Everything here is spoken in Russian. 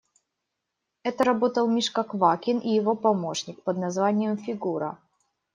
Это работал Мишка Квакин и его помощник, под названием «Фигура».